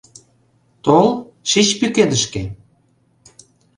Тол, шич пӱкенышке...